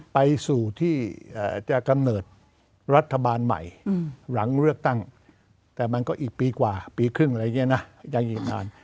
ไปสู่ที่จะกำเนิดรัฐบาลใหม่หลังเลือกตั้งแต่มันก็อีกปีกว่าปีครึ่งอะไรอย่างนี้นะยังอีกนาน